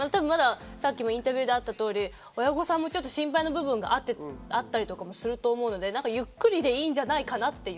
インタビューであったとおり、親御さんも心配な部分があったりとかもすると思うので、ゆっくりでいいんじゃないかなっていう。